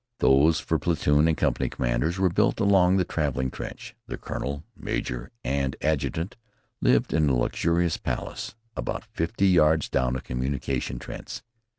Those for platoon and company commanders were built along the traveling trench. The colonel, major, and adjutant lived in a luxurious palace, about fifty yards down a communication trench.